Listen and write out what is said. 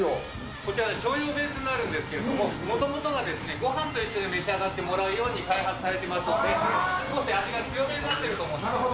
これ、しょうゆベースになるんですけど、もともとがごはんと一緒に召し上がってもらうように開発してますので、少し味が強めなるほど。